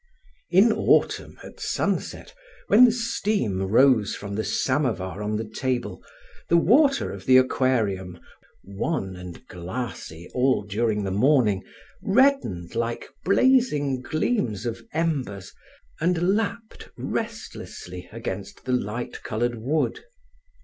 In autumn, at sunset, when the steam rose from the samovar on the table, the water of the aquarium, wan and glassy all during the morning, reddened like blazing gleams of embers and lapped restlessly against the light colored wood.